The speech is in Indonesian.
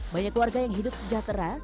banyak warga yang hidup sejahtera